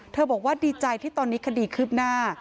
เธอบอกว่าดีใจที่ตอนนี้คดีขึ้นหน้า